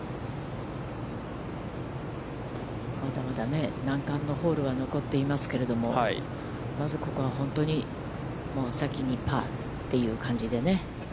まだまだ難関のホールは残っていますけれども、まずここは本当に先にパーという感じでね。